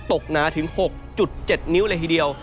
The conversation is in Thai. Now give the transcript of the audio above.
หนาถึง๖๗นิ้วเลยทีเดียว